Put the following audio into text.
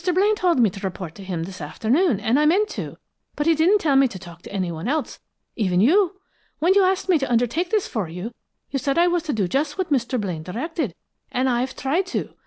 Blaine told me to report to him this afternoon, and I meant to, but he didn't tell me to talk to anyone else, even you. When you asked me to undertake this for you, you said I was to do just what Mr. Blaine directed, and I've tried to.